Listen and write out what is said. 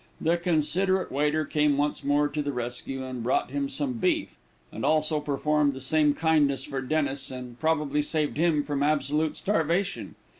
The considerate waiter came once more to the rescue, and brought him some beef, and also performed the same kindness for Dennis, and probably saved him from absolute starvation.